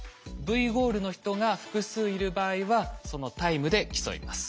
Ｖゴールの人が複数いる場合はそのタイムで競います。